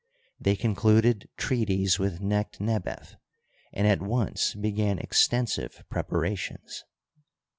They concluded treaties with Necht nebef and at once began extensive preparations.